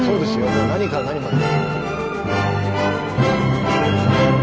もう何から何まで。